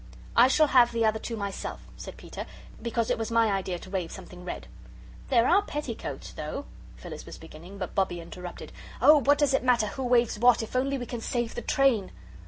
"I shall have the other two myself," said Peter, "because it was my idea to wave something red." "They're our petticoats, though," Phyllis was beginning, but Bobbie interrupted "Oh, what does it matter who waves what, if we can only save the train?"